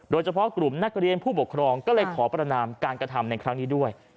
โดยเฉพาะกลุ่มนักเรียนผู้ปกครองก็เลยขอประนามการกระทำในครั้งนี้ด้วย